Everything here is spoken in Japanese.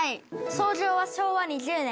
創業は昭和２０年。